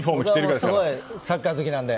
すごいサッカー好きなので。